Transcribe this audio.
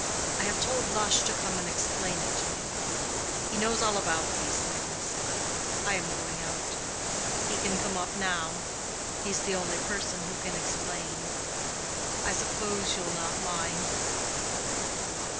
I have told Lush to come and explain it to you. He knows all about these things. I am going out. He can come up now. He's the only person who can explain. I suppose you'll not mind."